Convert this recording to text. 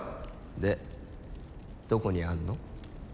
でどこにあんの？